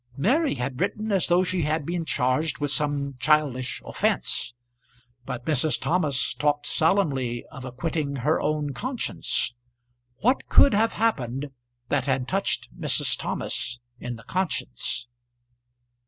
Mary had written as though she had been charged with some childish offence; but Mrs. Thomas talked solemnly of acquitting her own conscience. What could have happened that had touched Mrs. Thomas in the conscience?